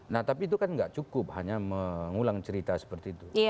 nah tapi itu kan nggak cukup hanya mengulang cerita seperti itu